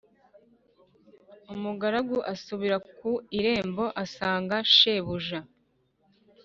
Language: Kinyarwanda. Umugaragu asubira ku irembo asanga shebuja